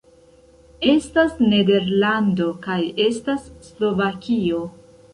Estas Nederlando kaj estas Slovakio